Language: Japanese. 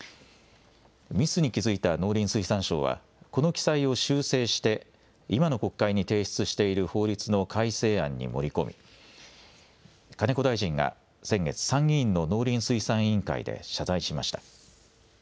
ミスに気付いた農林水産省はこの記載を修正して今の国会に提出している法律の改正案に盛り込み金子大臣が先月、参議院の農林水産委員会で謝罪しました。